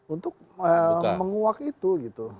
untuk menguak itu gitu